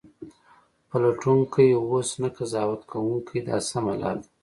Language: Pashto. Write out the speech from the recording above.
پلټونکی اوسه نه قضاوت کوونکی دا سمه لار ده.